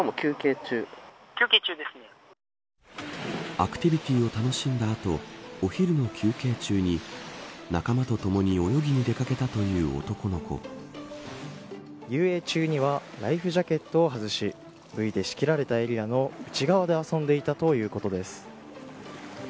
アクティビティを楽しんだ後お昼の休憩中に仲間とともに泳ぎに出掛けた遊泳中にはライフジャケットを外しブイで仕切られたエリアの内側で遊んでいたということです。